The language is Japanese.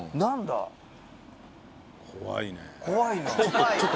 怖いな。